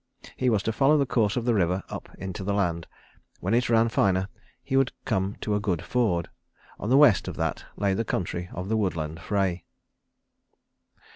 He was to follow the course of the river up into the land. When it ran finer he would come to a good ford. On the west of that lay the country of the woodland Frey.